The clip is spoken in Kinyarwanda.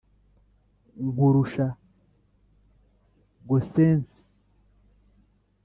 Nkurusha Gossensi,